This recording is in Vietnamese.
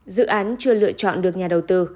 dự án chưa lựa chọn được nhà đầu tư